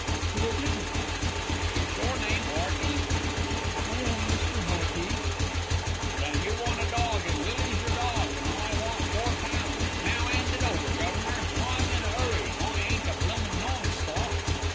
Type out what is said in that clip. "But I didn't." "Is your name 'Earty?" "I am Mr. Hearty." "Then you want a dawg, an' Lily's your dawg, an' I want four pound. Now, 'and it over, guv'nor. I'm in a 'urry. I ain't a bloomin' non stop."